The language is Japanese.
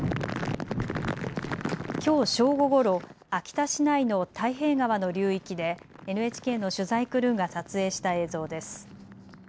きょう正午ごろ、秋田市内の太平川の流域でＮＨＫの取材クルーが撮影した映像です。